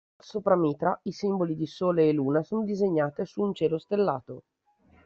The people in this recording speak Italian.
Sopra Mitra, i simboli di Sole e Luna sono disegnate su un cielo stellato.